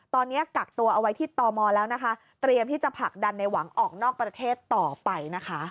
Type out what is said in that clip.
ตอนนี้กักตัวเอาไว้ที่ตมแล้วนะคะเตรียมที่จะผลักดันในหวังออกนอกประเทศต่อไปนะคะ